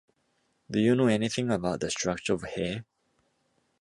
Do you know anything about the structure of hair?